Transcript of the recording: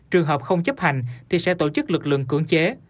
trường hợp không chấp hành thì sẽ tổ chức lực lượng cưỡng chế